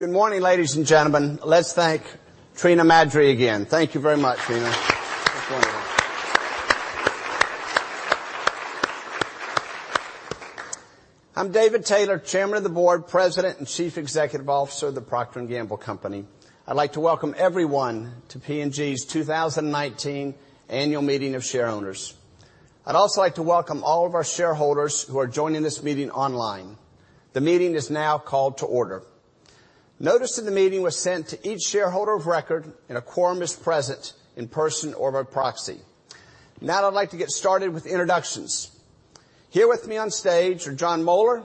Good morning, ladies and gentlemen. Let's thank Trina Madry again. Thank you very much, Trina. I'm David Taylor, Chairman of the Board, President and Chief Executive Officer of The Procter & Gamble Company. I'd like to welcome everyone to P&G's 2019 Annual Meeting of Shareowners. I'd also like to welcome all of our shareholders who are joining this meeting online. The meeting is now called to order. Notice of the meeting was sent to each shareholder of record and a quorum is present in person or by proxy. I'd like to get started with introductions. Here with me on stage are Jon Moeller,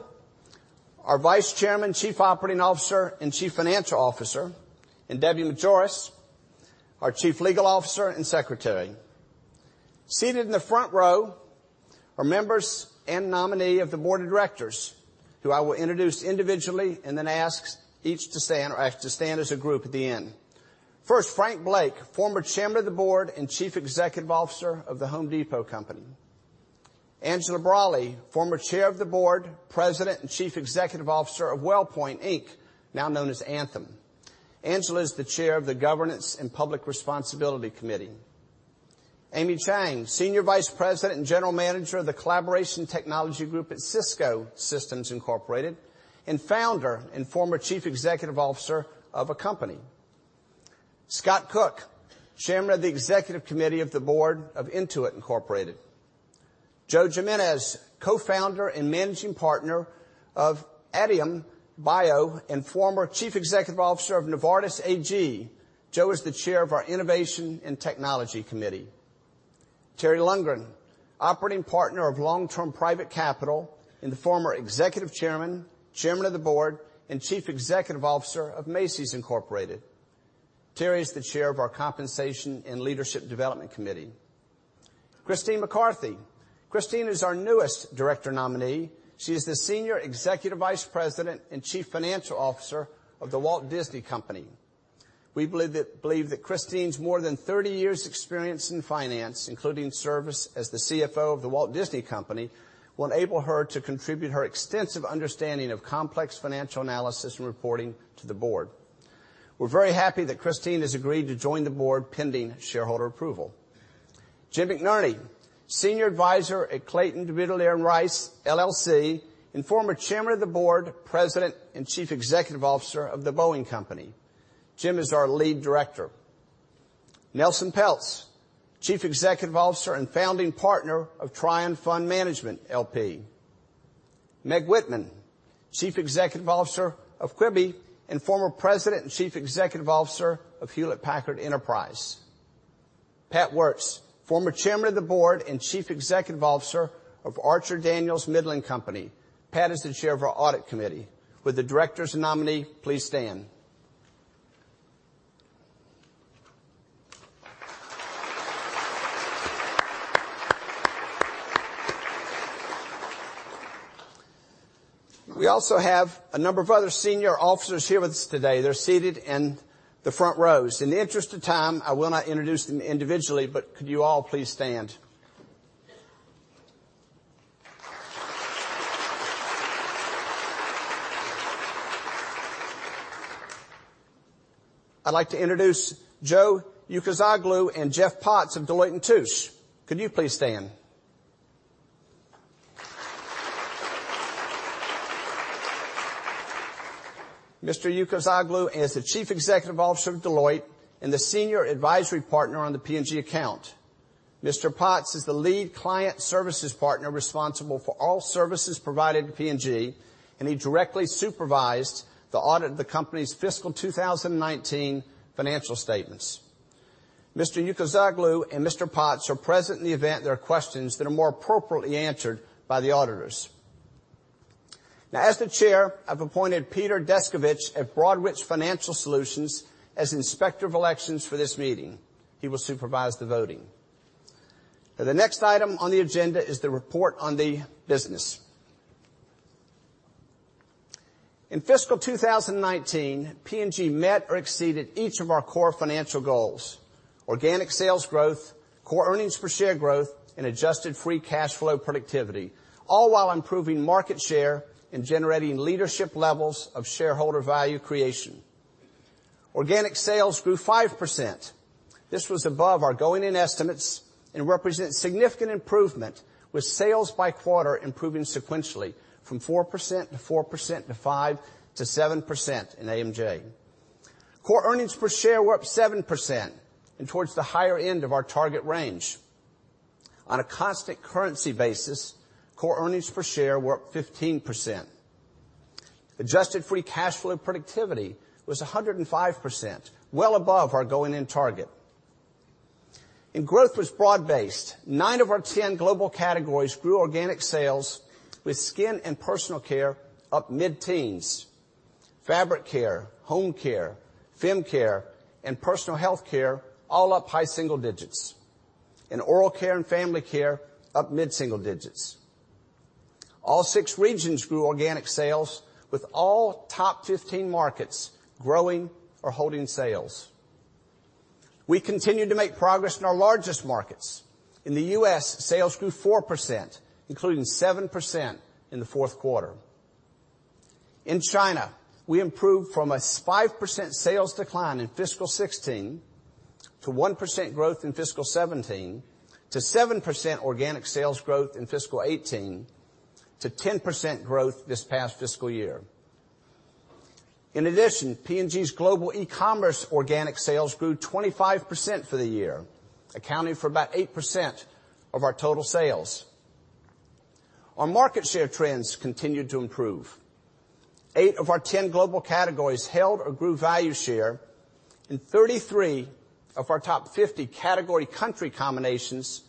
our Vice Chairman, Chief Operating Officer and Chief Financial Officer, and Debbie Majoras, our Chief Legal Officer and Secretary. Seated in the front row are members and nominee of the board of directors, who I will introduce individually, and then ask each to stand or ask to stand as a group at the end. First, Frank Blake, former Chairman of the Board and Chief Executive Officer of The Home Depot, Inc. Angela Braly, former Chair of the Board, President and Chief Executive Officer of WellPoint Inc., now known as Anthem. Angela is the Chair of the Governance & Public Responsibility Committee. Amy Chang, Senior Vice President and General Manager of the Collaboration Technology Group at Cisco Systems, Inc., and Founder and former Chief Executive Officer of Accompany. Scott Cook, Chairman of the Executive Committee of the Board of Intuit Inc. Joe Jimenez, Co-founder and Managing Partner of Aditum Bio and former Chief Executive Officer of Novartis AG. Joe is the Chair of our Innovation & Technology Committee. Terry Lundgren, Operating Partner of Long Term Private Capital and the former Executive Chairman of the Board and Chief Executive Officer of Macy's Incorporated. Terry is the Chair of our Compensation & Leadership Development Committee. Christine McCarthy. Christine is our newest director nominee. She is the Senior Executive Vice President and Chief Financial Officer of The Walt Disney Company. We believe that Christine's more than 30 years' experience in finance, including service as the CFO of The Walt Disney Company, will enable her to contribute her extensive understanding of complex financial analysis and reporting to the board. We're very happy that Christine has agreed to join the board pending shareholder approval. Jim McNerney, Senior Advisor at Clayton, Dubilier & Rice LLC, and former Chairman of the Board, President and Chief Executive Officer of The Boeing Company. Jim is our Lead Director. Nelson Peltz, Chief Executive Officer and Founding Partner of Trian Fund Management L.P. Meg Whitman, Chief Executive Officer of Quibi and former President and Chief Executive Officer of Hewlett Packard Enterprise. Pat Woertz, former Chairman of the Board and Chief Executive Officer of Archer-Daniels-Midland Company. Pat is the Chair of our Audit Committee. Will the directors and nominee please stand? We also have a number of other senior officers here with us today. They're seated in the front rows. In the interest of time, I will not introduce them individually, but could you all please stand? I'd like to introduce Joe Ucuzoglu and Jeff Potts of Deloitte & Touche. Could you please stand? Mr. Ucuzoglu is the Chief Executive Officer of Deloitte and the Senior Advisory Partner on the P&G account. Mr. Potts is the Lead Client Services Partner responsible for all services provided to P&G, and he directly supervised the audit of the company's fiscal 2019 financial statements. Mr. Ucuzoglu and Mr. Potts are present in the event there are questions that are more appropriately answered by the auditors. As the Chair, I've appointed Peter Deskovic of Broadridge Financial Solutions as Inspector of Elections for this meeting. He will supervise the voting. The next item on the agenda is the report on the business. In fiscal 2019, P&G met or exceeded each of our core financial goals: organic sales growth, core earnings per share growth, and adjusted free cash flow productivity, all while improving market share and generating leadership levels of shareholder value creation. Organic sales grew 5%. This was above our going-in estimates and represents significant improvement, with sales by quarter improving sequentially from 4% to 4% to 5% to 7% in AMJ. Core earnings per share were up 7% and towards the higher end of our target range. On a constant currency basis, core earnings per share were up 15%. Adjusted free cash flow productivity was 105%, well above our going-in target. Growth was broad-based. Nine of our 10 global categories grew organic sales with skin and personal care up mid-teens. Fabric care, home care, fem care, and personal healthcare all up high single digits. Oral care and family care up mid-single digits. All six regions grew organic sales, with all top 15 markets growing or holding sales. We continued to make progress in our largest markets. In the U.S., sales grew 4%, including 7% in the fourth quarter. In China, we improved from a 5% sales decline in fiscal 2016, to 1% growth in fiscal 2017, to 7% organic sales growth in fiscal 2018, to 10% growth this past fiscal year. In addition, P&G's global e-commerce organic sales grew 25% for the year, accounting for about 8% of our total sales. Our market share trends continued to improve. Eight of our 10 global categories held or grew value share, and 33 of our top 50 category country combinations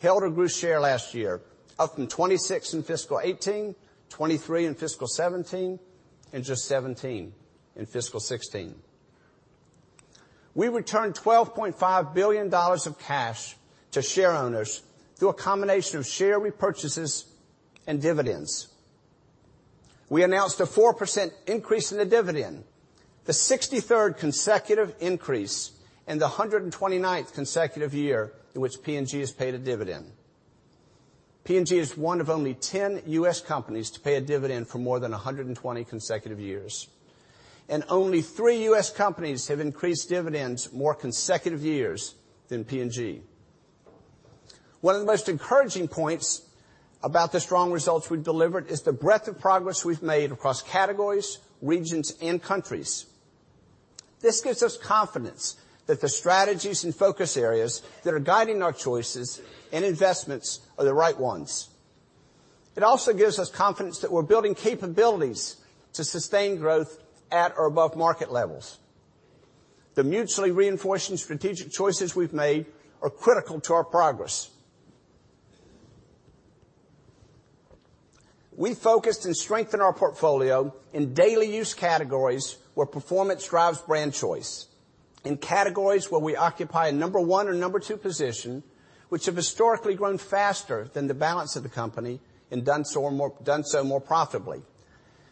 held or grew share last year, up from 26 in fiscal 2018, 23 in fiscal 2017, and just 17 in fiscal 2016. We returned $12.5 billion of cash to shareowners through a combination of share repurchases and dividends. We announced a 4% increase in the dividend, the 63rd consecutive increase, and the 129th consecutive year in which P&G has paid a dividend. P&G is one of only 10 U.S. companies to pay a dividend for more than 120 consecutive years, and only three U.S. companies have increased dividends more consecutive years than P&G. One of the most encouraging points about the strong results we've delivered is the breadth of progress we've made across categories, regions, and countries. This gives us confidence that the strategies and focus areas that are guiding our choices and investments are the right ones. It also gives us confidence that we're building capabilities to sustain growth at or above market levels. The mutually reinforcing strategic choices we've made are critical to our progress. We focused and strengthened our portfolio in daily use categories where performance drives brand choice, in categories where we occupy a number 1 or number 2 position, which have historically grown faster than the balance of the company and done so more profitably.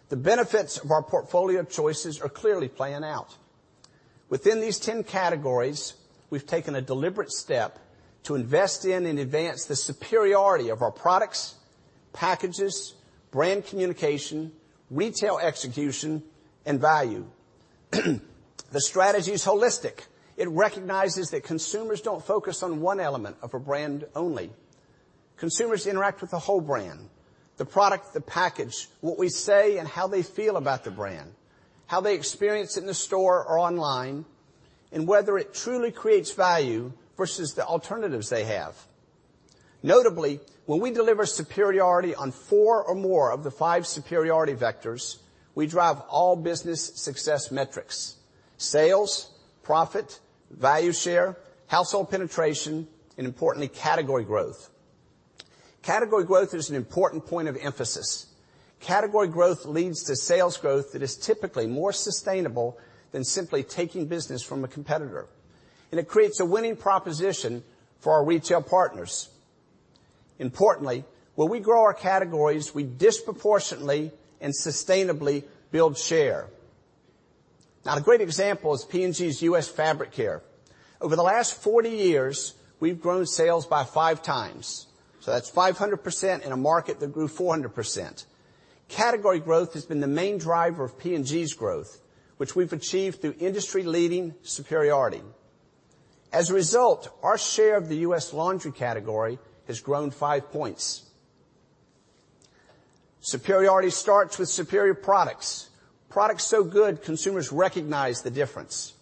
The benefits of our portfolio choices are clearly playing out. Within these ten categories, we've taken a deliberate step to invest in and advance the superiority of our products, packages, brand communication, retail execution, and value. The strategy is holistic. It recognizes that consumers don't focus on one element of a brand only. Consumers interact with the whole brand, the product, the package, what we say, and how they feel about the brand, how they experience it in the store or online, and whether it truly creates value versus the alternatives they have. Notably, when we deliver superiority on four or more of the five superiority vectors, we drive all business success metrics: sales, profit, value share, household penetration, and importantly, category growth. Category growth is an important point of emphasis. Category growth leads to sales growth that is typically more sustainable than simply taking business from a competitor, and it creates a winning proposition for our retail partners. Importantly, when we grow our categories, we disproportionately and sustainably build share. Now, a great example is P&G's U.S. Fabric Care. Over the last 40 years, we've grown sales by five times, so that's 500% in a market that grew 400%. Category growth has been the main driver of P&G's growth, which we've achieved through industry-leading superiority. As a result, our share of the U.S. laundry category has grown five points. Superiority starts with superior products so good consumers recognize the difference.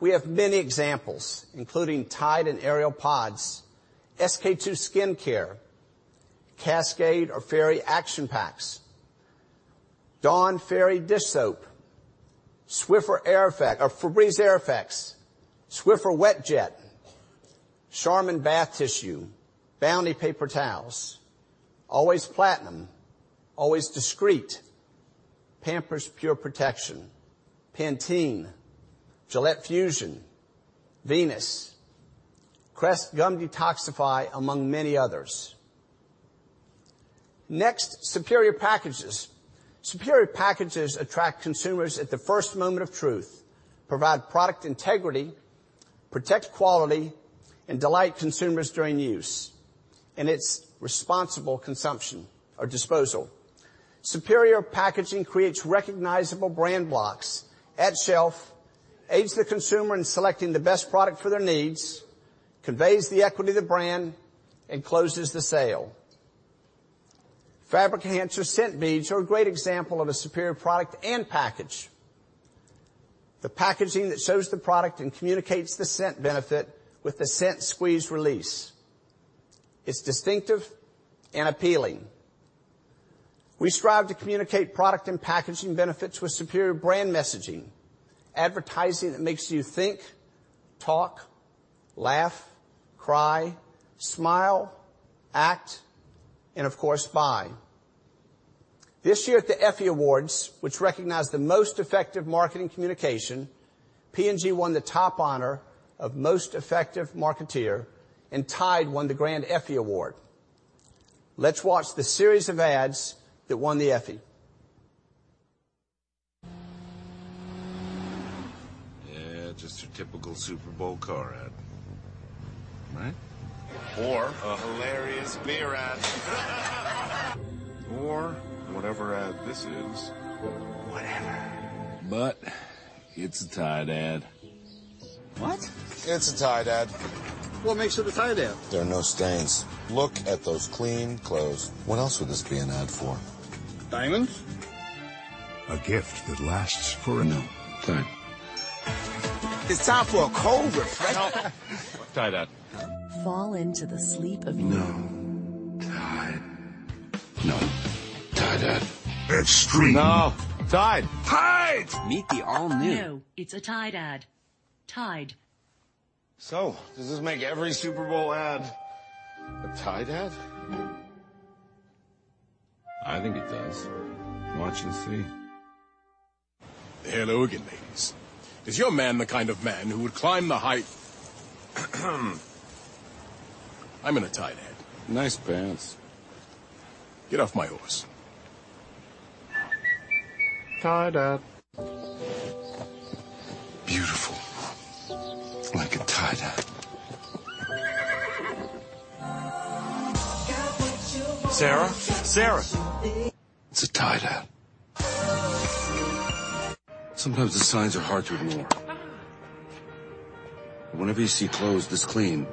We have many examples, including Tide and Ariel pods, SK-II skincare, Cascade or Fairy action packs, Dawn Fairy dish soap, Febreze Air Effects, Swiffer WetJet, Charmin bath tissue, Bounty paper towels, Always Platinum, Always Discreet, Pampers Pure Protection, Pantene, Gillette Fusion, Venus, Crest Gum Detoxify, among many others. Next, superior packages. Superior packages attract consumers at the first moment of truth, provide product integrity, protect quality, and delight consumers during use and its responsible consumption or disposal. Superior packaging creates recognizable brand blocks at shelf, aids the consumer in selecting the best product for their needs, conveys the equity of the brand, and closes the sale. Fabric Enhancer scent beads are a great example of a superior product and package. The packaging that shows the product and communicates the scent benefit with the scent squeeze release. It's distinctive and appealing. We strive to communicate product and packaging benefits with superior brand messaging, advertising that makes you think, talk, laugh, cry, smile, act, and of course, buy. This year at the Effie Awards, which recognized the most effective marketing communication, P&G won the top honor of Most Effective Marketeer, and Tide won the Grand Effie Award. Let's watch the series of ads that won the Effie. Yeah, just your typical Super Bowl car ad. Right? Or a hilarious beer ad. Or whatever ad this is. Whatever. It's a Tide ad. What? It's a Tide ad. What makes it a Tide ad? There are no stains. Look at those clean clothes. What else would this be an ad for? Diamonds? No. Tide. It's time for a cold refresh. No. Tide ad. Fall into the sleep of your- No. Tide. No. Tide ad. No. Tide. Tide. Meet the all new- No, it's a Tide ad. Tide. Does this make every Super Bowl ad a Tide ad? I think it does. Watch and see. Hello again, ladies. Is your man the kind of man who would climb the height I'm in a Tide ad. Nice pants. Get off my horse. Tide ad. Beautiful. Like a Tide ad. Sarah? Sarah. It's a Tide ad. Sometimes the signs are hard to ignore. Whenever you see clothes this clean,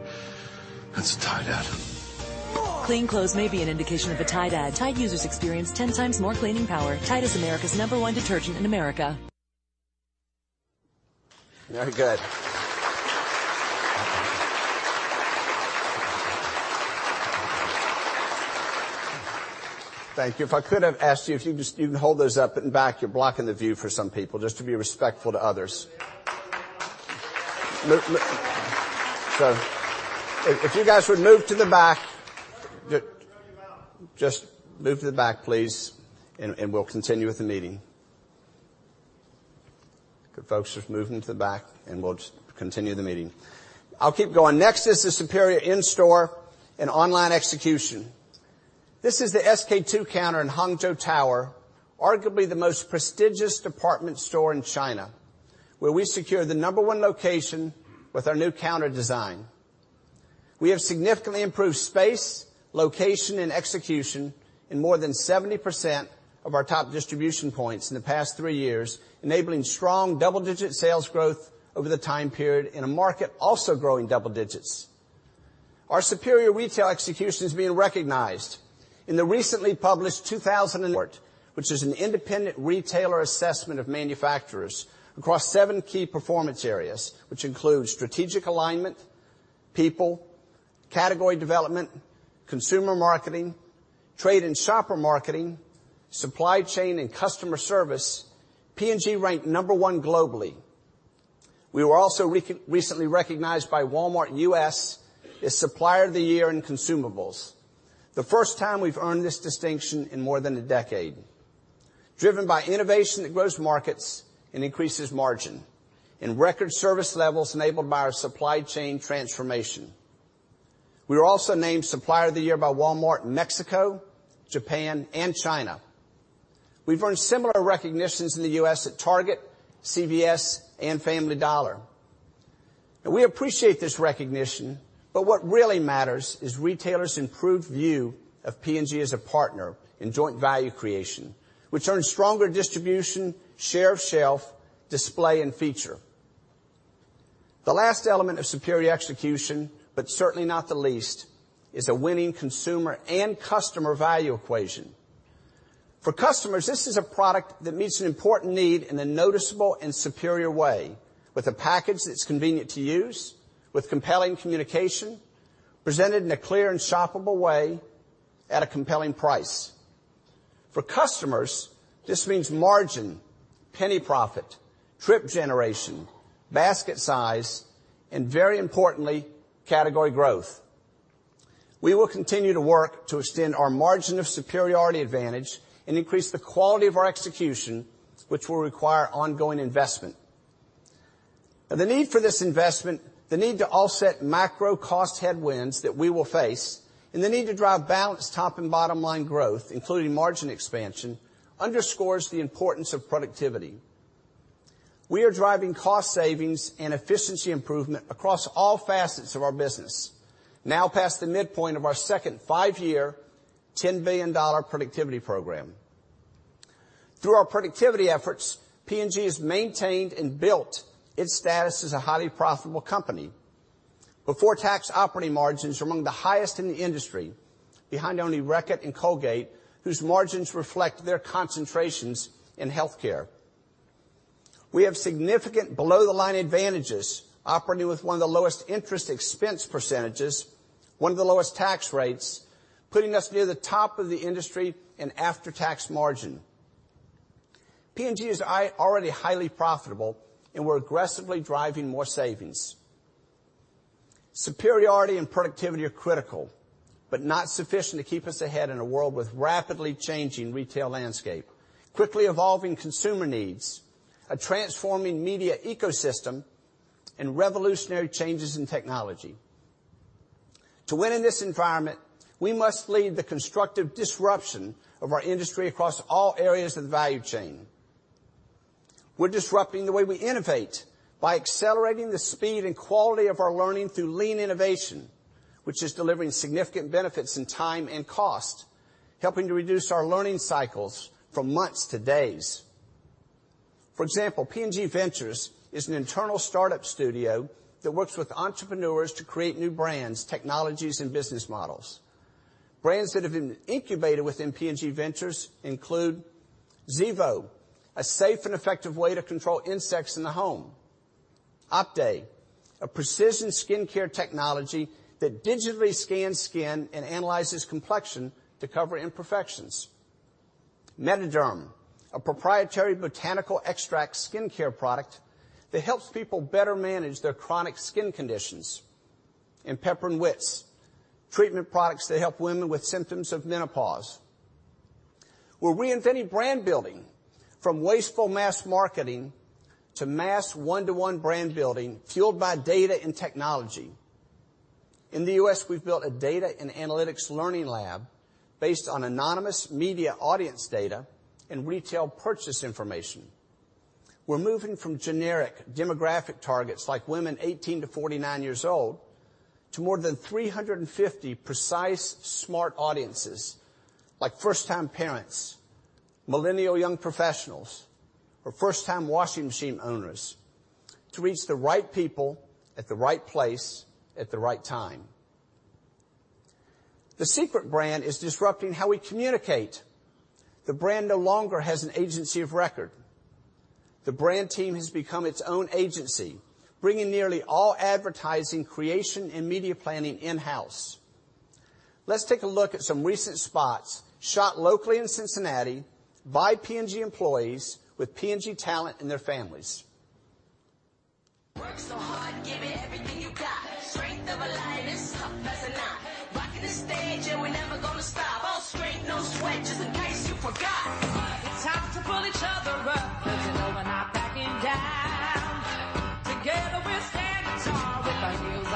that's a Tide ad. Clean clothes may be an indication of a Tide ad. Tide users experience 10 times more cleaning power. Tide is America's number one detergent in America. Very good. Thank you. If I could have asked you, if you can hold those up in back. You're blocking the view for some people, just to be respectful to others. If you guys would move to the back. Just move to the back, please, and we'll continue with the meeting. Good. Folks just move into the back, and we'll just continue the meeting. I'll keep going. Next is the superior in-store and online execution. This is the SK-II counter in Hangzhou Tower, arguably the most prestigious department store in China, where we secure the number 1 location with our new counter design. We have significantly improved space, location, and execution in more than 70% of our top distribution points in the past three years, enabling strong double-digit sales growth over the time period in a market also growing double digits. Our superior retail execution is being recognized. In the recently published, which is an independent retailer assessment of manufacturers across seven key performance areas, which includes strategic alignment, people, category development, consumer marketing, trade and shopper marketing, supply chain, and customer service, P&G ranked number 1 globally. We were also recently recognized by Walmart U.S. as Supplier of the Year in Consumables, the first time we've earned this distinction in more than a decade, driven by innovation that grows markets and increases margin and record service levels enabled by our supply chain transformation. We were also named Supplier of the Year by Walmart in Mexico, Japan, and China. We've earned similar recognitions in the U.S. at Target, CVS, and Family Dollar. We appreciate this recognition, but what really matters is retailers' improved view of P&G as a partner in joint value creation, which earns stronger distribution, share of shelf, display, and feature. The last element of superior execution, but certainly not the least, is the winning consumer and customer value equation. For customers, this is a product that meets an important need in a noticeable and superior way with a package that's convenient to use, with compelling communication, presented in a clear and shoppable way at a compelling price. For customers, this means margin, penny profit, trip generation, basket size, and very importantly, category growth. We will continue to work to extend our margin of superiority advantage and increase the quality of our execution, which will require ongoing investment. The need for this investment, the need to offset macro cost headwinds that we will face, and the need to drive balanced top and bottom line growth, including margin expansion, underscores the importance of productivity. We are driving cost savings and efficiency improvement across all facets of our business, now past the midpoint of our second five-year, $10 billion productivity program. Through our productivity efforts, P&G has maintained and built its status as a highly profitable company. Before-tax operating margins are among the highest in the industry, behind only Reckitt and Colgate, whose margins reflect their concentrations in healthcare. We have significant below-the-line advantages, operating with one of the lowest interest expense percentages, one of the lowest tax rates, putting us near the top of the industry in after-tax margin. P&G is already highly profitable, and we're aggressively driving more savings. Superiority and productivity are critical, but not sufficient to keep us ahead in a world with rapidly changing retail landscape, quickly evolving consumer needs, a transforming media ecosystem, and revolutionary changes in technology. To win in this environment, we must lead the constructive disruption of our industry across all areas of the value chain. We're disrupting the way we innovate by accelerating the speed and quality of our learning through lean innovation, which is delivering significant benefits in time and cost, helping to reduce our learning cycles from months to days. For example, P&G Ventures is an internal startup studio that works with entrepreneurs to create new brands, technologies, and business models. Brands that have been incubated within P&G Ventures include Zevo, a safe and effective way to control insects in the home, Opté, a precision skincare technology that digitally scans skin and analyzes complexion to cover imperfections, MetaDerm, a proprietary botanical extract skincare product that helps people better manage their chronic skin conditions, and Pepper & Wits, treatment products that help women with symptoms of menopause. We're reinventing brand-building from wasteful mass marketing to mass one-to-one brand building fueled by data and technology. In the U.S., we've built a data and analytics learning lab based on anonymous media audience data and retail purchase information. We're moving from generic demographic targets, like women 18-49 years old, to more than 350 precise smart audiences, like first-time parents, millennial young professionals, or first-time washing machine owners, to reach the right people at the right place at the right time. The Secret brand is disrupting how we communicate. The brand no longer has an agency of record. The brand team has become its own agency, bringing nearly all advertising, creation, and media planning in-house. Let's take a look at some recent spots shot locally in Cincinnati by P&G employees with P&G talent and their families. Work so hard, give it everything you got. Strength of a lioness, tough as a nut. Rocking the stage and we're never gonna stop. All strength, no sweat, just in case you forgot. It's time to pull each other up, because you know we're not backing down. Together, we're standing tall, with our heels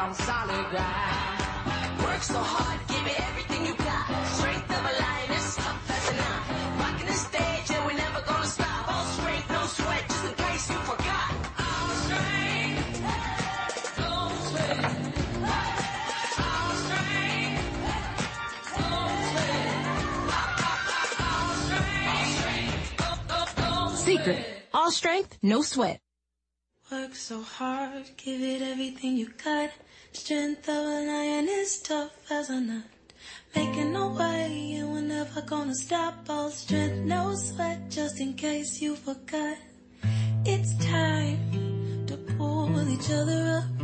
on solid ground. Work so hard, give it everything you got. Strength of a lioness, tough as a nut. Rocking the stage and we're never gonna stop. All strength, no sweat, just in case you forgot. All strength. No sweat. All strength. No sweat. All strength. All strength. No sweat. Secret. All strength, no sweat. Work so hard, give it everything you got. Strength of a lioness, tough as a nut. Making a way, and we're never gonna stop. All strength, no sweat, just in case you forgot. It's time to pull each other up.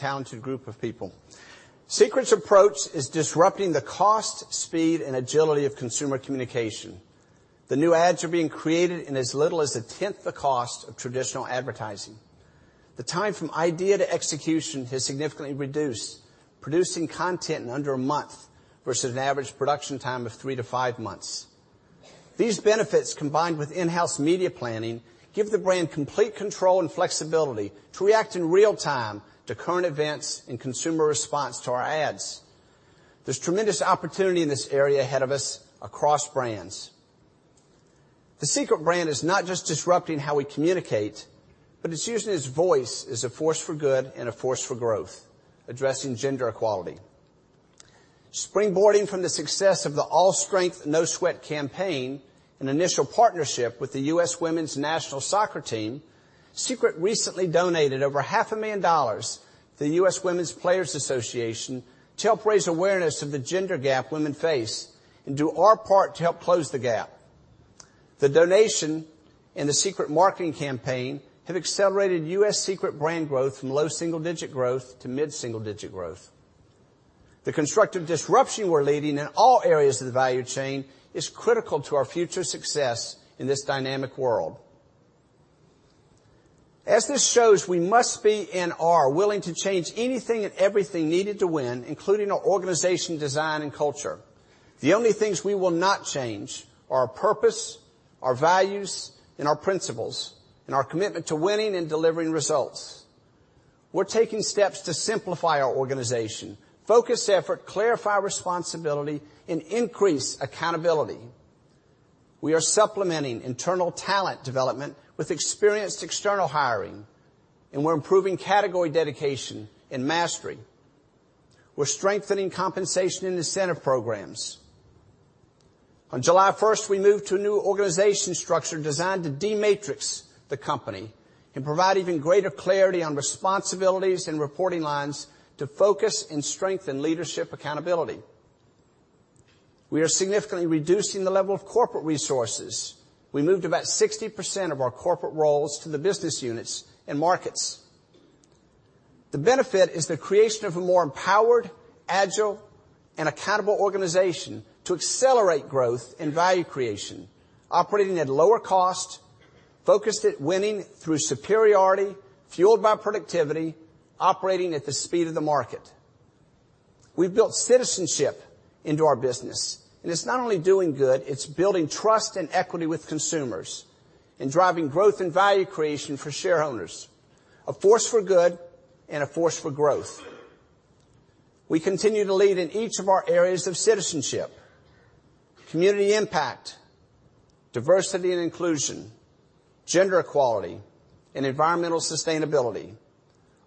You know we're not backing down. Together, we're all standing tall. With our heels on solid ground. All strength, no sweat. All strength, no sweat, just in case you forgot. Got a talented group of people. Secret's approach is disrupting the cost, speed, and agility of consumer communication. The new ads are being created in as little as a tenth the cost of traditional advertising. The time from idea to execution has significantly reduced, producing content in under a month versus an average production time of three to five months. These benefits, combined with in-house media planning, give the brand complete control and flexibility to react in real time to current events and consumer response to our ads. There's tremendous opportunity in this area ahead of us across brands. The Secret brand is not just disrupting how we communicate, but it's using its voice as a force for good and a force for growth, addressing gender equality. Springboarding from the success of the All Strength, No Sweat campaign, an initial partnership with the United States women's national soccer team, Secret recently donated over half a million dollars to the U.S. Women's National Team Players Association to help raise awareness of the gender gap women face and do our part to help close the gap. The donation and the Secret marketing campaign have accelerated U.S. Secret brand growth from low single-digit growth to mid single-digit growth. The constructive disruption we're leading in all areas of the value chain is critical to our future success in this dynamic world. As this shows, we must be, and are, willing to change anything and everything needed to win, including our organization, design, and culture. The only things we will not change are our purpose, our values, and our principles, and our commitment to winning and delivering results. We're taking steps to simplify our organization, focus effort, clarify responsibility, and increase accountability. We are supplementing internal talent development with experienced external hiring, and we're improving category dedication and mastery. We're strengthening compensation and incentive programs. On July 1st, we moved to a new organization structure designed to de-matrix the company and provide even greater clarity on responsibilities and reporting lines to focus and strengthen leadership accountability. We are significantly reducing the level of corporate resources. We moved about 60% of our corporate roles to the business units and markets. The benefit is the creation of a more empowered, agile, and accountable organization to accelerate growth and value creation, operating at lower cost, focused at winning through superiority, fueled by productivity, operating at the speed of the market. We've built citizenship into our business, it's not only doing good, it's building trust and equity with consumers and driving growth and value creation for shareholders. A force for good and a force for growth. We continue to lead in each of our areas of citizenship, community impact, diversity and inclusion, gender equality, and environmental sustainability,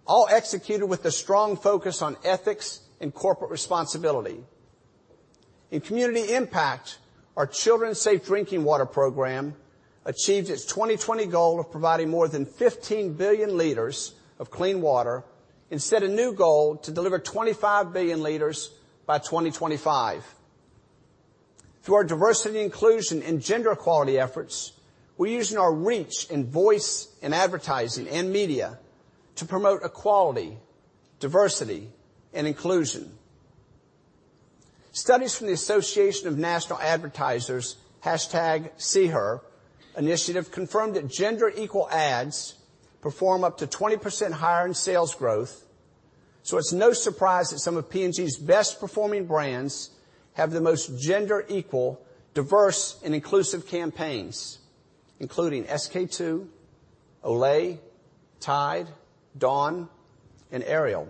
all executed with a strong focus on ethics and corporate responsibility. In community impact, our Children's Safe Drinking Water program achieved its 2020 goal of providing more than 15 billion liters of clean water and set a new goal to deliver 25 billion liters by 2025. Through our diversity inclusion and gender equality efforts, we're using our reach in voice, in advertising, and media to promote equality, diversity, and inclusion. Studies from the Association of National Advertisers SeeHer initiative confirmed that gender equal ads perform up to 20% higher in sales growth. It's no surprise that some of P&G's best performing brands have the most gender equal, diverse, and inclusive campaigns, including SK-II, Olay, Tide, Dawn, and Ariel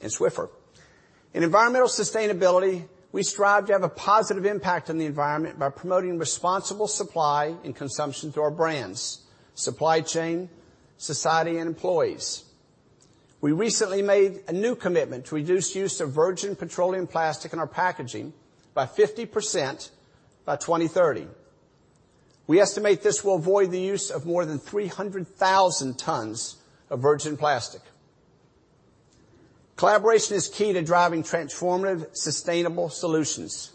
and Swiffer. In environmental sustainability, we strive to have a positive impact on the environment by promoting responsible supply and consumption through our brands, supply chain, society, and employees. We recently made a new commitment to reduce use of virgin petroleum plastic in our packaging by 50% by 2030. We estimate this will avoid the use of more than 300,000 tons of virgin plastic. Collaboration is key to driving transformative, sustainable solutions.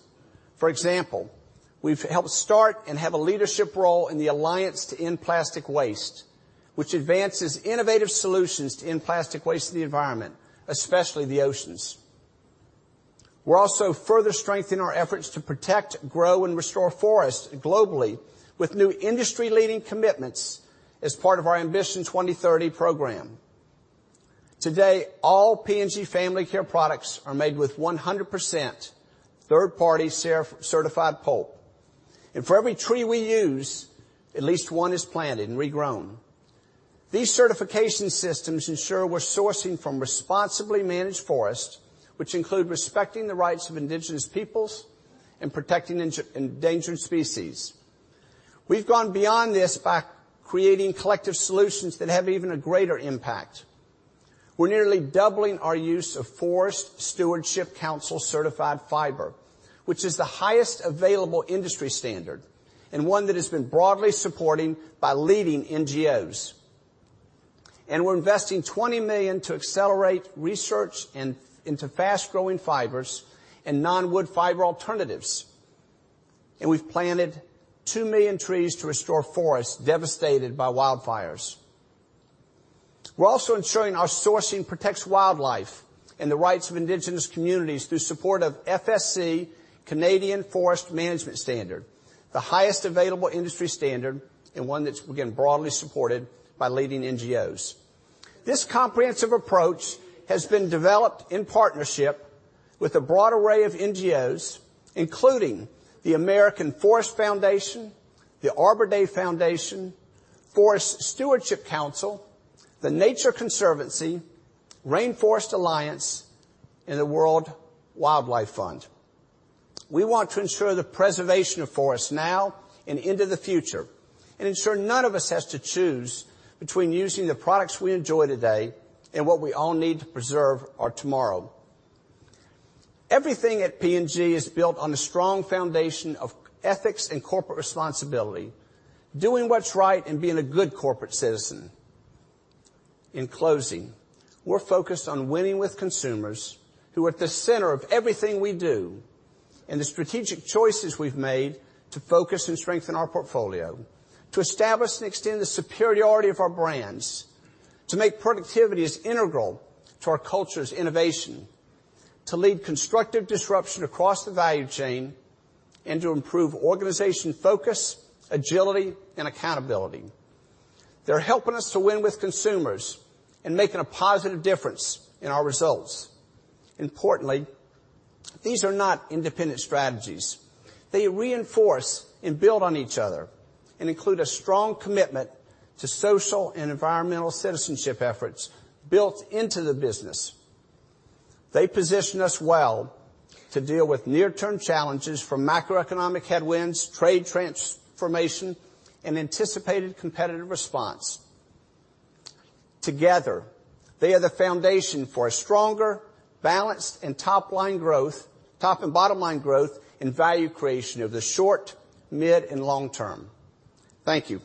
For example, we've helped start and have a leadership role in the Alliance to End Plastic Waste, which advances innovative solutions to end plastic waste in the environment, especially the oceans. We're also further strengthening our efforts to protect, grow, and restore forests globally with new industry-leading commitments as part of our Ambition 2030 program. Today, all P&G family care products are made with 100% third-party certified pulp. For every tree we use, at least one is planted and regrown. These certification systems ensure we're sourcing from responsibly managed forests, which include respecting the rights of Indigenous peoples and protecting endangered species. We've gone beyond this by creating collective solutions that have even a greater impact. We're nearly doubling our use of Forest Stewardship Council certified fiber, which is the highest available industry standard and one that has been broadly supporting by leading NGOs. We're investing $20 million to accelerate research into fast-growing fibers and non-wood fiber alternatives. We've planted 2 million trees to restore forests devastated by wildfires. We're also ensuring our sourcing protects wildlife and the rights of Indigenous communities through support of FSC Canadian Forest Management Standard, the highest available industry standard, and one that's, again, broadly supported by leading NGOs. This comprehensive approach has been developed in partnership with a broad array of NGOs, including the American Forest Foundation, the Arbor Day Foundation, Forest Stewardship Council, The Nature Conservancy, Rainforest Alliance, and the World Wildlife Fund. We want to ensure the preservation of forests now and into the future, and ensure none of us has to choose between using the products we enjoy today and what we all need to preserve our tomorrow. Everything at P&G is built on a strong foundation of ethics and corporate responsibility, doing what's right and being a good corporate citizen. In closing, we're focused on winning with consumers who are at the center of everything we do, and the strategic choices we've made to focus and strengthen our portfolio, to establish and extend the superiority of our brands, to make productivities integral to our culture's innovation, to lead constructive disruption across the value chain, and to improve organization focus, agility, and accountability. They're helping us to win with consumers and making a positive difference in our results. Importantly, these are not independent strategies. They reinforce and build on each other and include a strong commitment to social and environmental citizenship efforts built into the business. They position us well to deal with near-term challenges from macroeconomic headwinds, trade transformation, and anticipated competitive response. Together, they are the foundation for a stronger, balanced, and top-line growth, top and bottom line growth, and value creation of the short, mid, and long term. Thank you.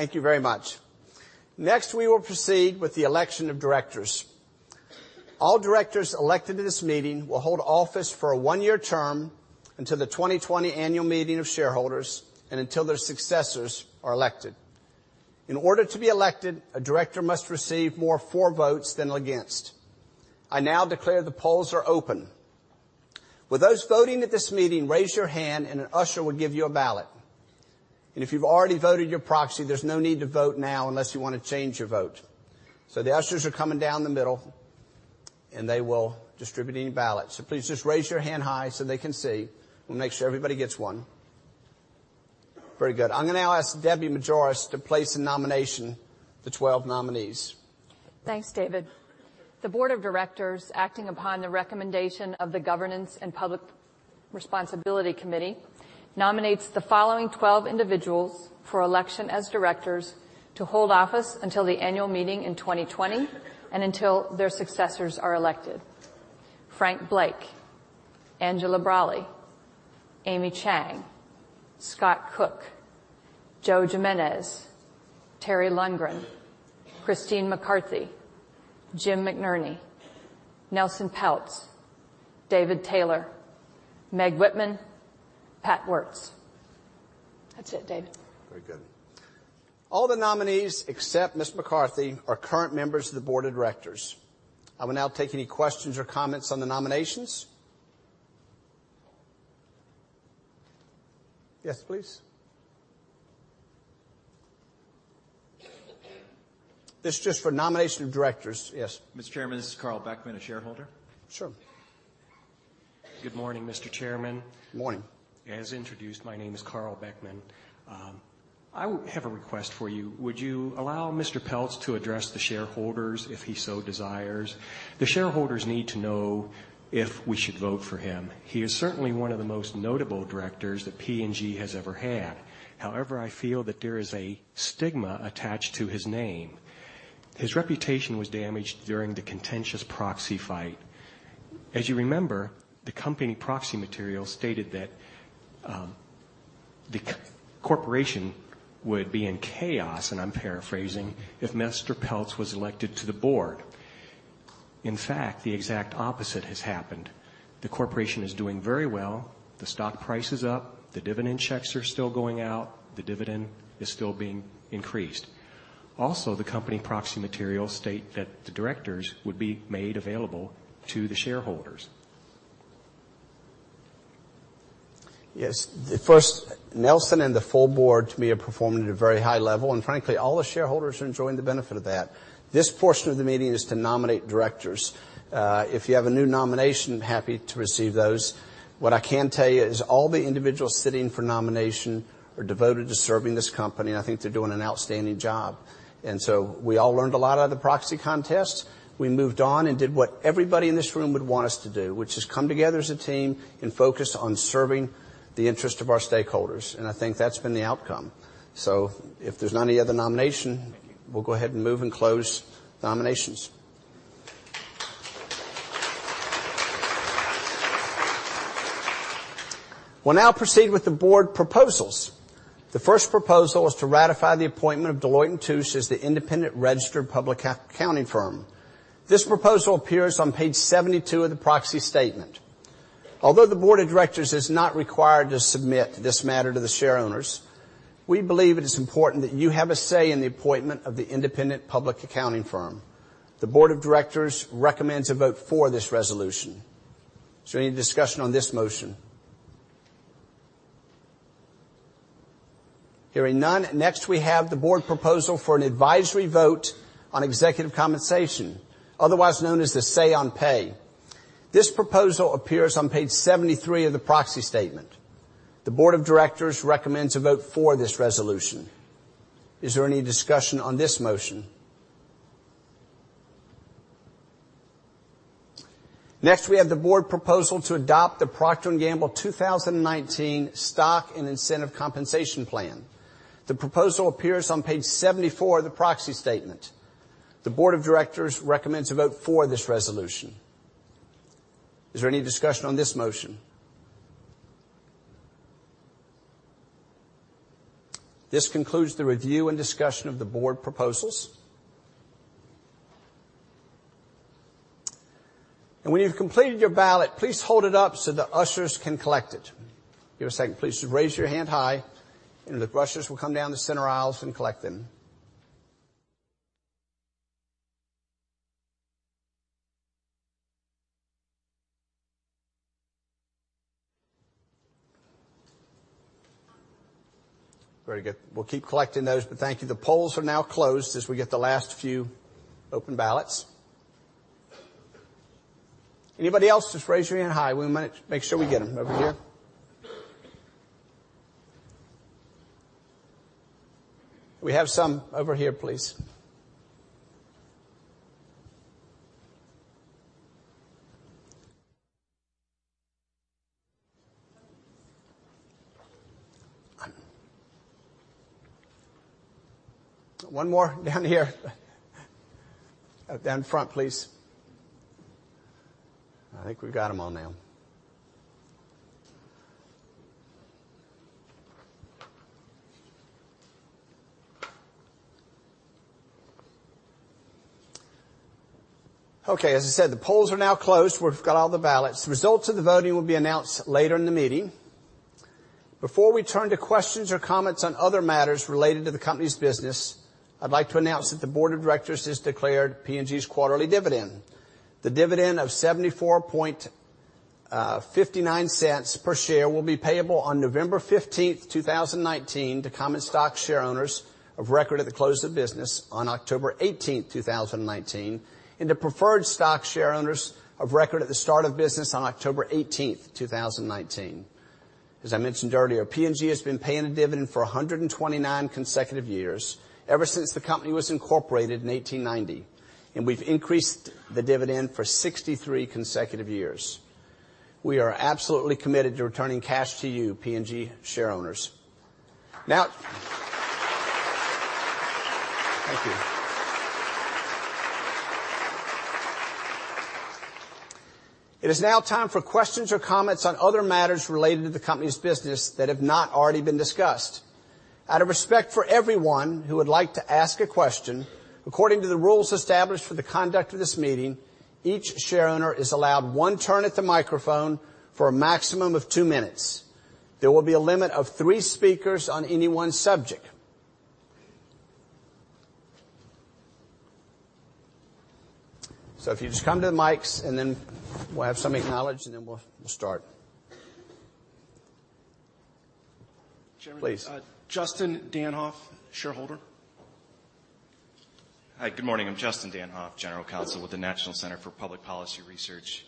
Thank you. Thank you very much. We will proceed with the election of directors. All directors elected to this meeting will hold office for a one-year term until the 2020 annual meeting of shareholders and until their successors are elected. In order to be elected, a director must receive more votes for than against. I now declare the polls are open. Would those voting at this meeting raise your hand, an usher will give you a ballot. If you've already voted your proxy, there's no need to vote now unless you want to change your vote. The ushers are coming down the middle, they will distribute any ballots. Please just raise your hand high so they can see. We'll make sure everybody gets one. Very good. I'm going to now ask Debbie Majoras to place the nomination, the 12 nominees. Thanks, David. The board of directors, acting upon the recommendation of the Governance & Public Responsibility Committee, nominates the following 12 individuals for election as directors to hold office until the annual meeting in 2020 and until their successors are elected: Frank Blake, Angela Braly, Amy Chang, Scott Cook, Joe Jimenez, Terry Lundgren, Christine McCarthy, Jim McNerney, Nelson Peltz, David Taylor, Meg Whitman, Pat Woertz. That's it, David. Very good. All the nominees, except Ms. McCarthy, are current members of the Board of Directors. I will now take any questions or comments on the nominations. Yes, please. This is just for nomination of directors. Yes. Mr. Chairman, this is Carl Beckman, a shareholder. Sure. Good morning, Mr. Chairman. Morning. As introduced, my name is Carl Beckman. I have a request for you. Would you allow Mr. Peltz to address the shareholders if he so desires? The shareholders need to know if we should vote for him. He is certainly one of the most notable directors that P&G has ever had. However, I feel that there is a stigma attached to his name. His reputation was damaged during the contentious proxy fight. As you remember, the company proxy material stated that, the corporation would be in chaos, and I'm paraphrasing, if Mr. Peltz was elected to the board. In fact, the exact opposite has happened. The corporation is doing very well. The stock price is up. The dividend checks are still going out. The dividend is still being increased. Also, the company proxy materials state that the directors would be made available to the shareholders. Yes. First, Nelson and the full board, to me, are performing at a very high level, and frankly, all the shareholders are enjoying the benefit of that. This portion of the meeting is to nominate directors. If you have a new nomination, happy to receive those. What I can tell you is all the individuals sitting for nomination are devoted to serving this company, and I think they're doing an outstanding job. We all learned a lot out of the proxy contest. We moved on and did what everybody in this room would want us to do, which is come together as a team and focus on serving the interest of our stakeholders, and I think that's been the outcome. If there's not any other nomination. Thank you. We'll go ahead and move and close nominations. We'll now proceed with the board proposals. The first proposal is to ratify the appointment of Deloitte & Touche as the independent registered public accounting firm. This proposal appears on page 72 of the proxy statement. Although the board of directors is not required to submit this matter to the shareowners, we believe it is important that you have a say in the appointment of the independent public accounting firm. The board of directors recommend to vote for this resolution. Is there any discussion on this motion? Hearing none. Next, we have the board proposal for an advisory vote on executive compensation, otherwise known as the Say on Pay. This proposal appears on page 73 of the proxy statement. The board of directors recommend to vote for this resolution. Is there any discussion on this motion? Next, we have the board proposal to adopt The Procter & Gamble 2019 Stock and Incentive Compensation Plan. The proposal appears on page 74 of the proxy statement. The board of directors recommend to vote for this resolution. Is there any discussion on this motion? This concludes the review and discussion of the board proposals. When you've completed your ballot, please hold it up so the ushers can collect it. Give me a second, please. Just raise your hand high, the ushers will come down the center aisles and collect them. Very good. We'll keep collecting those, thank you. The polls are now closed as we get the last few open ballots. Anybody else? Just raise your hand high. We might make sure we get them. Over here. We have some over here, please. One more down here. Down front, please. I think we've got them all now. Okay, as I said, the polls are now closed. We've got all the ballots. The results of the voting will be announced later in the meeting. Before we turn to questions or comments on other matters related to the company's business, I'd like to announce that the board of directors just declared P&G's quarterly dividend. The dividend of $0.7459 per share will be payable on November 15th, 2019 to common stock share owners of record at the close of business on October 18th, 2019, and to preferred stock share owners of record at the start of business on October 18th, 2019. As I mentioned earlier, P&G has been paying a dividend for 129 consecutive years, ever since the company was incorporated in 1890. We've increased the dividend for 63 consecutive years. We are absolutely committed to returning cash to you, P&G share owners. Thank you. It is now time for questions or comments on other matters related to the company's business that have not already been discussed. Out of respect for everyone who would like to ask a question, according to the rules established for the conduct of this meeting, each share owner is allowed one turn at the microphone for a maximum of two minutes. There will be a limit of three speakers on any one subject. If you just come to the mics, and then we'll have some acknowledge, and then we'll start. Chairman? Please. Justin Danhof, shareholder. Hi. Good morning. I'm Justin Danhof, general counsel with the National Center for Public Policy Research.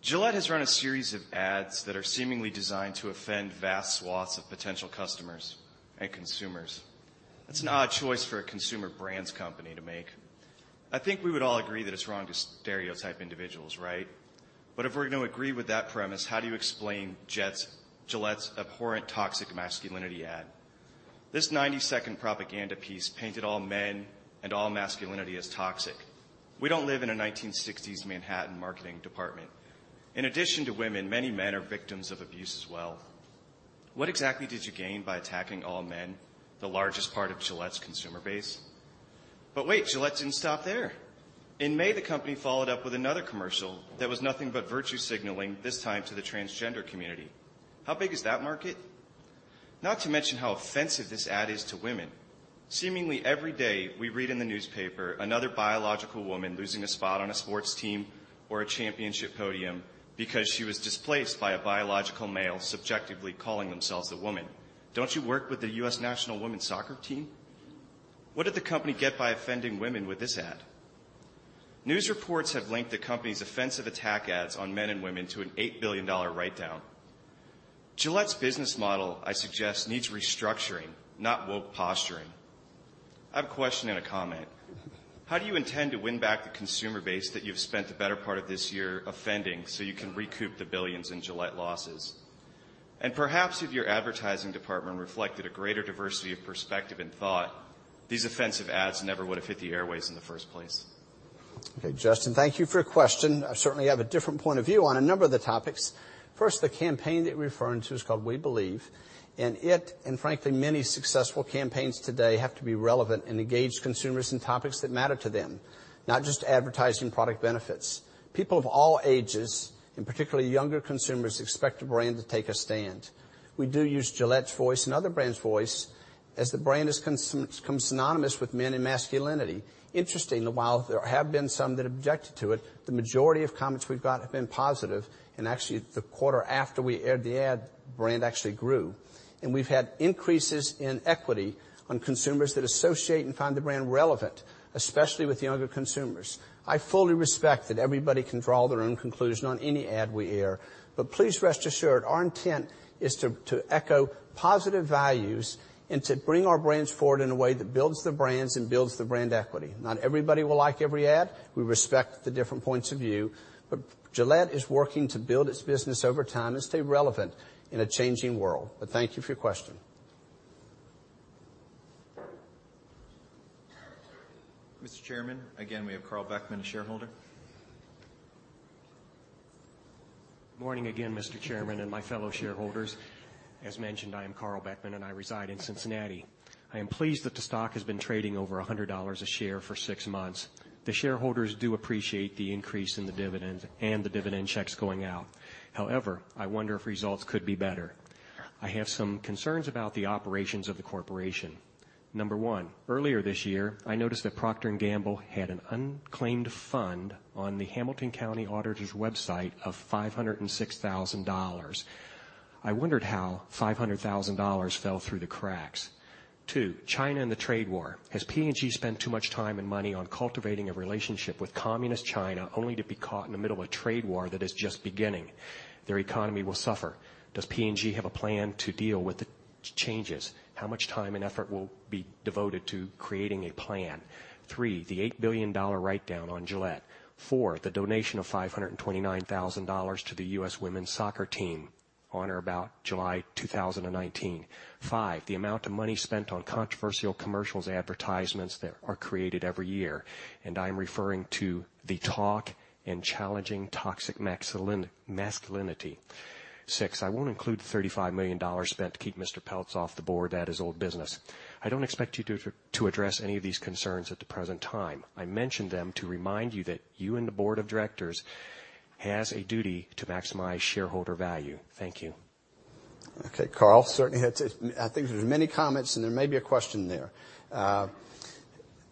Gillette has run a series of ads that are seemingly designed to offend vast swaths of potential customers and consumers. That's an odd choice for a consumer brands company to make. I think we would all agree that it's wrong to stereotype individuals, right? If we're going to agree with that premise, how do you explain Gillette's abhorrent toxic masculinity ad? This 90-second propaganda piece painted all men and all masculinity as toxic. We don't live in a 1960s Manhattan marketing department. In addition to women, many men are victims of abuse as well. What exactly did you gain by attacking all men, the largest part of Gillette's consumer base? Wait, Gillette didn't stop there. In May, the company followed up with another commercial that was nothing but virtue signaling, this time to the transgender community. How big is that market? Not to mention how offensive this ad is to women. Seemingly every day, we read in the newspaper another biological woman losing a spot on a sports team or a championship podium because she was displaced by a biological male subjectively calling themselves a woman. Don't you work with the U.S. National Women's Soccer team? What did the company get by offending women with this ad? News reports have linked the company's offensive attack ads on men and women to an $8 billion write-down. Gillette's business model, I suggest, needs restructuring, not woke posturing. I have a question and a comment. How do you intend to win back the consumer base that you've spent the better part of this year offending so you can recoup the billions in Gillette losses? Perhaps if your advertising department reflected a greater diversity of perspective and thought, these offensive ads never would have hit the airwaves in the first place. Okay, Justin, thank you for your question. I certainly have a different point of view on a number of the topics. First, the campaign that you're referring to is called We Believe. Frankly, many successful campaigns today have to be relevant and engage consumers in topics that matter to them, not just advertising product benefits. People of all ages, particularly younger consumers, expect a brand to take a stand. We do use Gillette's voice and other brands' voice, as the brand has become synonymous with men and masculinity. Interestingly, while there have been some that objected to it, the majority of comments we've got have been positive. Actually, the quarter after we aired the ad, the brand actually grew. We've had increases in equity on consumers that associate and find the brand relevant, especially with younger consumers. I fully respect that everybody can draw their own conclusion on any ad we air. Please rest assured, our intent is to echo positive values and to bring our brands forward in a way that builds the brands and builds the brand equity. Not everybody will like every ad. We respect the different points of view. Gillette is working to build its business over time and stay relevant in a changing world. Thank you for your question. Mr. Chairman. Again, we have Carl Beckman, a shareholder. Morning again, Mr. Chairman, and my fellow shareholders. As mentioned, I am Carl Beckman, and I reside in Cincinnati. I am pleased that the stock has been trading over $100 a share for six months. The shareholders do appreciate the increase in the dividend and the dividend checks going out. I wonder if results could be better. I have some concerns about the operations of the corporation. Number one, earlier this year, I noticed that Procter & Gamble had an unclaimed fund on the Hamilton County Auditor's website of $506,000. I wondered how $500,000 fell through the cracks. Two, China and the trade war. Has P&G spent too much time and money on cultivating a relationship with communist China only to be caught in the middle of a trade war that is just beginning? Their economy will suffer. Does P&G have a plan to deal with the changes? How much time and effort will be devoted to creating a plan? Three, the $8 billion write-down on Gillette. Four, the donation of $529,000 to the U.S. women's soccer team on or about July 2019. Five, the amount of money spent on controversial commercials and advertisements that are created every year. I'm referring to the talk in challenging toxic masculinity. Six, I won't include the $35 million spent to keep Mr. Peltz off the Board. That is old business. I don't expect you to address any of these concerns at the present time. I mention them to remind you that you and the Board of Directors has a duty to maximize shareholder value. Thank you. Okay, Carl. Certainly, I think there are many comments. There may be a question there.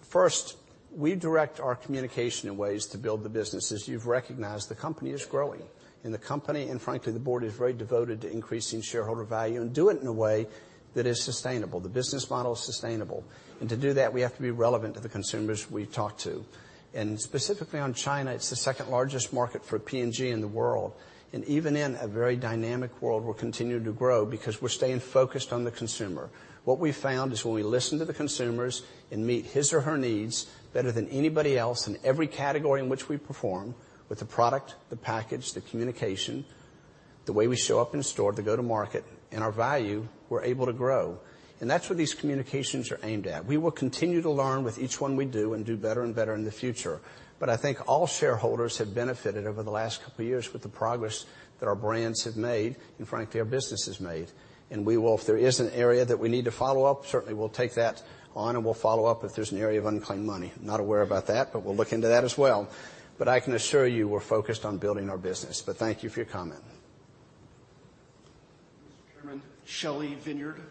First, we direct our communication in ways to build the business. As you've recognized, the company is growing. The company, and frankly, the board, is very devoted to increasing shareholder value and do it in a way that is sustainable. The business model is sustainable. To do that, we have to be relevant to the consumers we talk to. Specifically on China, it's the second-largest market for P&G in the world. Even in a very dynamic world, we're continuing to grow because we're staying focused on the consumer. What we've found is when we listen to the consumers and meet his or her needs better than anybody else in every category in which we perform, with the product, the package, the communication, the way we show up in store, the go-to-market, and our value, we're able to grow. That's what these communications are aimed at. We will continue to learn with each one we do and do better and better in the future. I think all shareholders have benefited over the last couple of years with the progress that our brands have made, and frankly, our business has made. If there is an area that we need to follow up, certainly, we'll take that on, and we'll follow up if there's an area of unclaimed money. I'm not aware about that, but we'll look into that as well. I can assure you we're focused on building our business. Thank you for your comment. Mr. Chairman, Shelley Vinyard, proxy holder.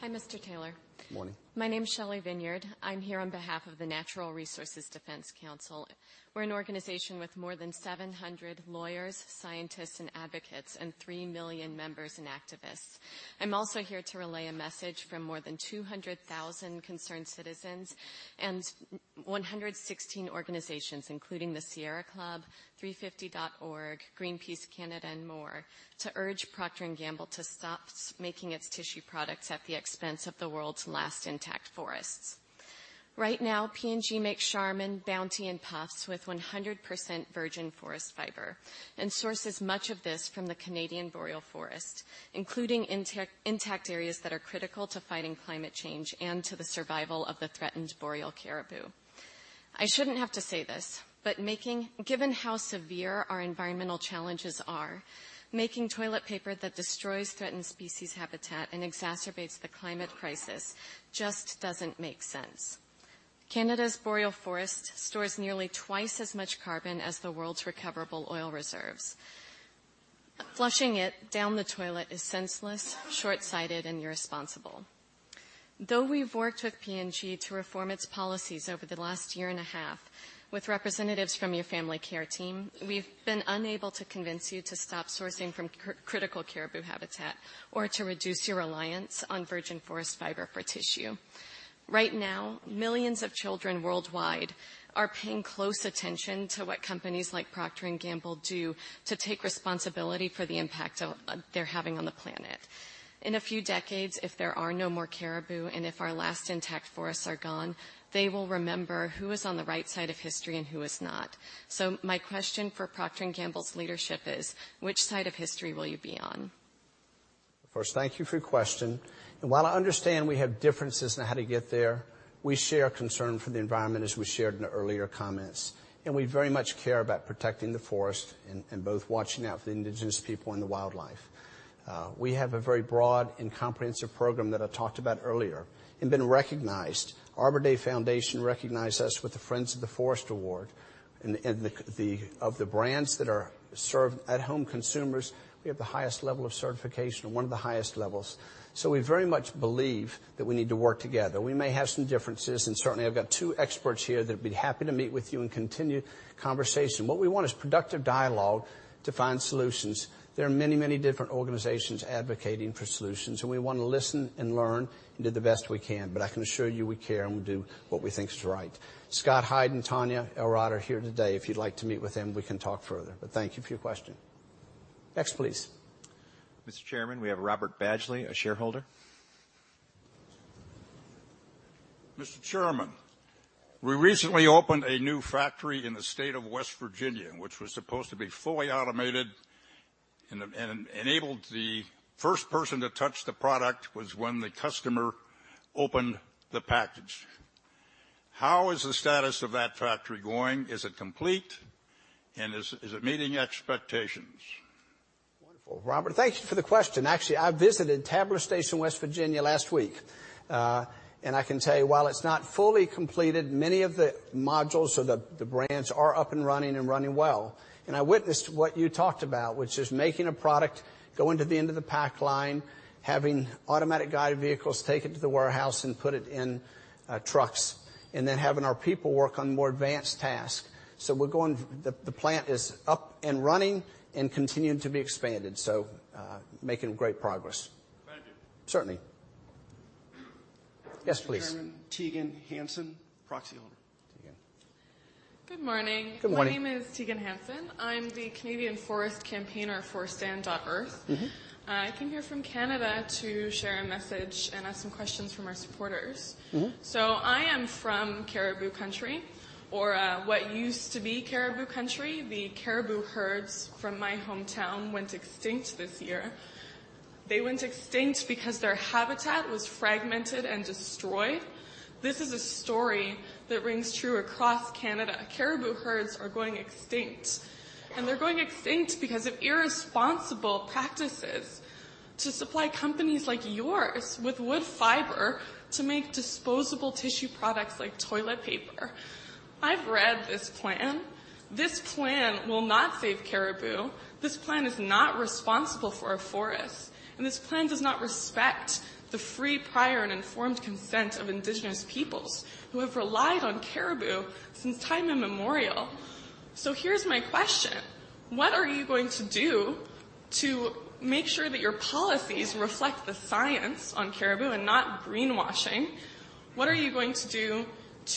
Hi, Mr. Taylor. Morning. My name's Shelley Vinyard. I'm here on behalf of the Natural Resources Defense Council. We're an organization with more than 700 lawyers, scientists, and advocates, and three million members and activists. I'm also here to relay a message from more than 200,000 concerned citizens and 116 organizations, including the Sierra Club, 350.org, Greenpeace Canada, and more, to urge The Procter & Gamble Company to stop making its tissue products at the expense of the world's last intact forests. Right now, P&G makes Charmin, Bounty, and Puffs with 100% virgin forest fiber and sources much of this from the Canadian boreal forest, including intact areas that are critical to fighting climate change and to the survival of the threatened boreal caribou. I shouldn't have to say this, but given how severe our environmental challenges are, making toilet paper that destroys threatened species' habitat and exacerbates the climate crisis just doesn't make sense. Canada's boreal forest stores nearly twice as much carbon as the world's recoverable oil reserves. Flushing it down the toilet is senseless, shortsighted, and irresponsible. Though we've worked with P&G to reform its policies over the last year and a half with representatives from your family care team, we've been unable to convince you to stop sourcing from critical caribou habitat or to reduce your reliance on virgin forest fiber for tissue. Right now, millions of children worldwide are paying close attention to what companies like Procter & Gamble do to take responsibility for the impact they're having on the planet. In a few decades, if there are no more caribou and if our last intact forests are gone, they will remember who is on the right side of history and who is not. My question for Procter & Gamble's leadership is, which side of history will you be on? First, thank you for your question. While I understand we have differences in how to get there, we share a concern for the environment, as we shared in the earlier comments. We very much care about protecting the forest and both watching out for the indigenous people and the wildlife. We have a very broad and comprehensive program that I talked about earlier and been recognized. Arbor Day Foundation recognized us with the Friends of the Forest Award. Of the brands that serve at-home consumers, we have the highest level of certification, or one of the highest levels. We very much believe that we need to work together. We may have some differences, and certainly, I've got two experts here that'd be happy to meet with you and continue conversation. What we want is productive dialogue to find solutions. There are many, many different organizations advocating for solutions, and we want to listen and learn and do the best we can. I can assure you we care and we do what we think is right. Scott Hyde and Tonya L. Rodd are here today. If you'd like to meet with them, we can talk further. Thank you for your question. Next, please. Mr. Chairman, we have Robert Badgley, a shareholder. Mr. Chairman, we recently opened a new factory in the state of West Virginia, which was supposed to be fully automated and enabled the first person to touch the product was when the customer opened the package. How is the status of that factory going? Is it complete? Is it meeting expectations? Robert, thank you for the question. Actually, I visited Tabler Station, West Virginia last week. I can tell you, while it's not fully completed, many of the modules of the branch are up and running and running well. I witnessed what you talked about, which is making a product, going to the end of the pack line, having automatic guided vehicles take it to the warehouse and put it in trucks, and then having our people work on more advanced tasks. The plant is up and running and continuing to be expanded. Making great progress. Thank you. Certainly. Yes, please. Chairman, Tegan Hanson, proxy holder. Tegan. Good morning. Good morning. My name is Tegan Hanson. I'm the Canadian forest campaigner for Stand.earth. I came here from Canada to share a message and ask some questions from our supporters. I am from caribou country, or what used to be caribou country. The caribou herds from my hometown went extinct this year. They went extinct because their habitat was fragmented and destroyed. This is a story that rings true across Canada. Caribou herds are going extinct, and they're going extinct because of irresponsible practices to supply companies like yours with wood fiber to make disposable tissue products like toilet paper. I've read this plan. This plan will not save caribou. This plan is not responsible for a forest, and this plan does not respect the free, prior, and informed consent of indigenous peoples who have relied on caribou since time immemorial. Here's my question: What are you going to do to make sure that your policies reflect the science on caribou and not greenwashing? What are you going to do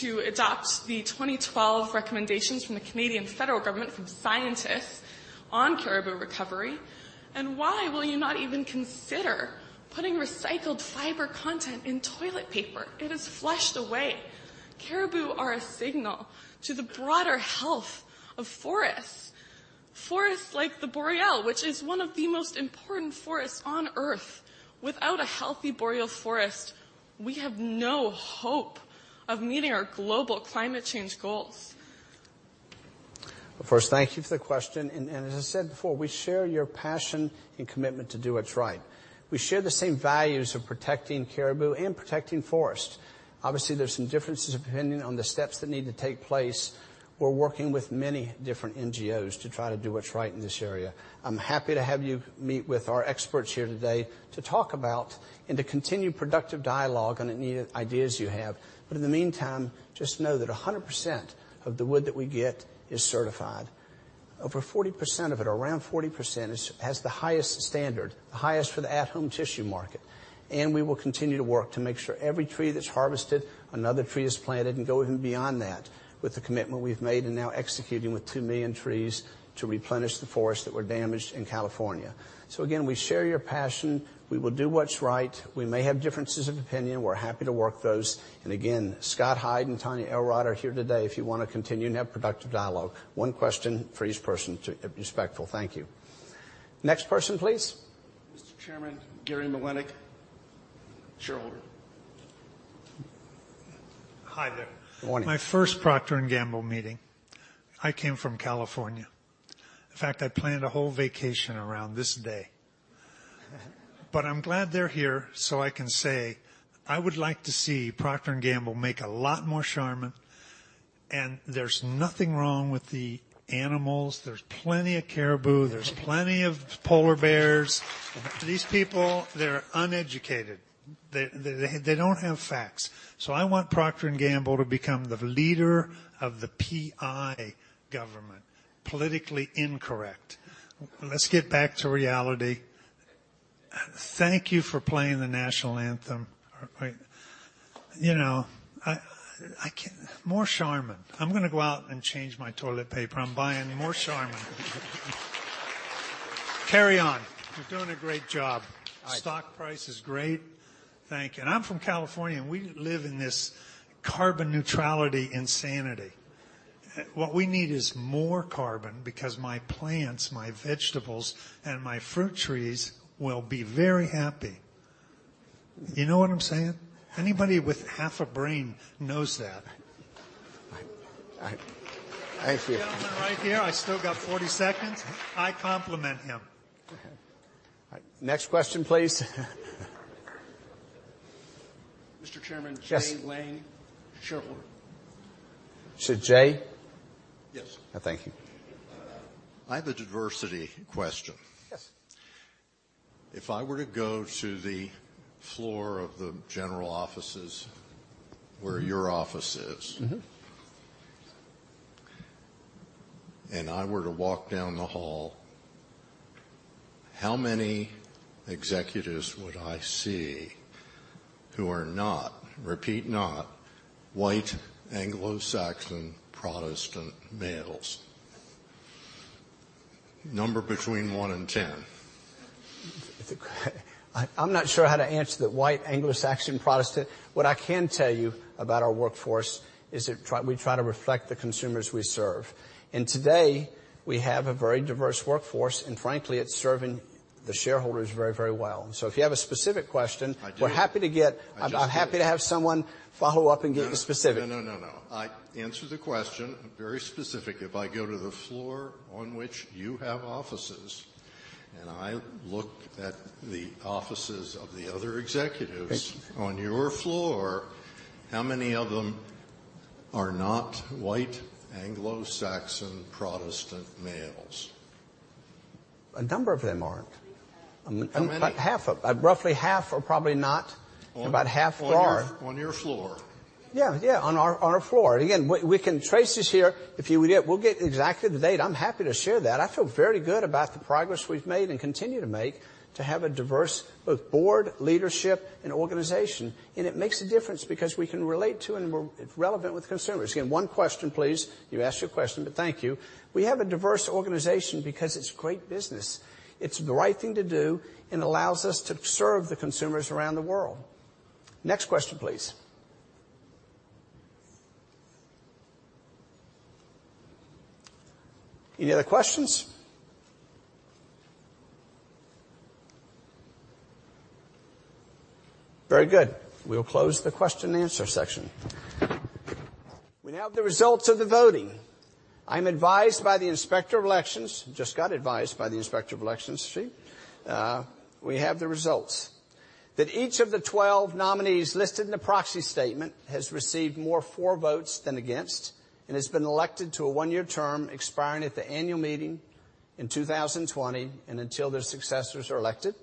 to adopt the 2012 recommendations from the Canadian federal government, from scientists on caribou recovery? Why will you not even consider putting recycled fiber content in toilet paper? It is flushed away. Caribou are a signal to the broader health of forests like the Boreal, which is one of the most important forests on Earth. Without a healthy Boreal forest, we have no hope of meeting our global climate change goals. First, thank you for the question, and as I said before, we share your passion and commitment to do what's right. We share the same values of protecting caribou and protecting forests. Obviously, there's some differences of opinion on the steps that need to take place. We're working with many different NGOs to try to do what's right in this area. I'm happy to have you meet with our experts here today to talk about and to continue productive dialogue on any ideas you have. In the meantime, just know that 100% of the wood that we get is certified. Over 40% of it, around 40%, has the highest standard, the highest for the at-home tissue market. We will continue to work to make sure every tree that's harvested, another tree is planted, and go even beyond that with the commitment we've made and now executing with 2 million trees to replenish the forests that were damaged in California. Again, we share your passion. We will do what's right. We may have differences of opinion. We're happy to work those. Again, Scott Hyde and Tonya L. Rodd are here today if you want to continue and have productive dialogue. One question for each person to be respectful. Thank you. Next person, please. Mr. Chairman, Gary Mlinac, shareholder. Hi there. Morning. My first Procter & Gamble meeting. I came from California. In fact, I planned a whole vacation around this day. I'm glad they're here so I can say, I would like to see Procter & Gamble make a lot more Charmin, and there's nothing wrong with the animals. There's plenty of caribou. There's plenty of polar bears. These people, they're uneducated. They don't have facts. I want Procter & Gamble to become the leader of the PI government, politically incorrect. Let's get back to reality. Thank you for playing the national anthem. More Charmin. I'm going to go out and change my toilet paper. I'm buying more Charmin. Carry on. You're doing a great job. All right. Stock price is great. Thank you. I'm from California, and we live in this carbon neutrality insanity. What we need is more carbon because my plants, my vegetables, and my fruit trees will be very happy. You know what I'm saying? Anybody with half a brain knows that. I hear you. This gentleman right here, I still got 40 seconds. I compliment him. All right. Next question, please. Mr. Chairman. Yes. Jay Lane, shareholder. Jay? Yes. Thank you. I have a diversity question? Yes. If I were to go to the floor of the general offices where your office is. I were to walk down the hall, how many executives would I see who are not, repeat not, white Anglo-Saxon Protestant males? Number between one and ten. I'm not sure how to answer the white Anglo-Saxon Protestant. What I can tell you about our workforce is that we try to reflect the consumers we serve. Today, we have a very diverse workforce, and frankly, it's serving the shareholders very, very well. If you have a specific question. I do. we're happy to. I just did. I'm happy to have someone follow up and get you a specific. No, no. Answer the question, very specific. If I go to the floor on which you have offices, and I look at the offices of the other executives. Thank you. on your floor, how many of them are not white Anglo-Saxon Protestant males? A number of them aren't. How many? About half of them. Roughly half are probably not, about half are. On your floor? On our floor. We can trace this here. We'll get exactly the date. I'm happy to share that. I feel very good about the progress we've made and continue to make to have a diverse both board, leadership, and organization. It makes a difference because we can relate to, and we're relevant with consumers. One question, please. You asked your question, thank you. We have a diverse organization because it's great business. It's the right thing to do and allows us to serve the consumers around the world. Next question, please. Any other questions? Very good. We'll close the question and answer section. We now have the results of the voting. I'm advised by the Inspector of Elections, just got advised by the Inspector of Elections. We have the results. Each of the 12 nominees listed in the proxy statement has received more for votes than against and has been elected to a one-year term expiring at the annual meeting in 2020 and until their successors are elected.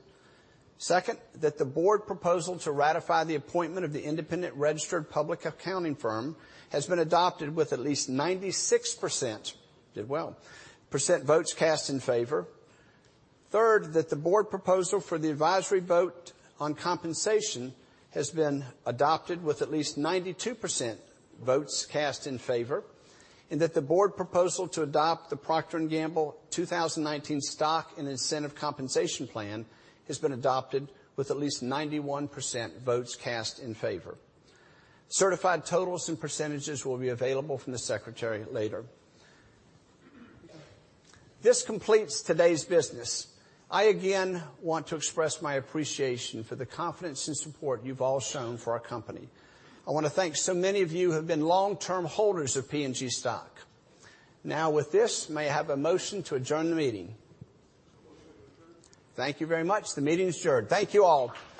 Second, that the board proposal to ratify the appointment of the independent registered public accounting firm has been adopted with at least 96%, did well, votes cast in favor. Third, that the board proposal for the advisory vote on compensation has been adopted with at least 92% votes cast in favor, and that the board proposal to adopt The Procter & Gamble 2019 Stock and Incentive Compensation Plan has been adopted with at least 91% votes cast in favor. Certified totals and percentages will be available from the secretary later. This completes today's business. I again want to express my appreciation for the confidence and support you've all shown for our company. I want to thank so many of you who have been long-term holders of P&G stock. Now with this, may I have a motion to adjourn the meeting? Motion to adjourn. Thank you very much. The meeting is adjourned. Thank you all.